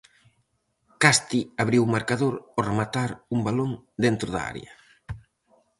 Casti abriu o marcador ao rematar un balón dentro da área.